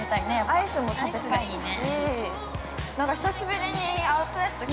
◆アイスも食べたいね。